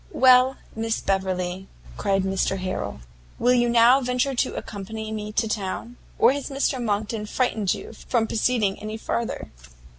"Well, Miss Beverley," cried Mr Harrel, "will you now venture to accompany me to town? Or has Mr Monckton frightened you from proceeding any farther?"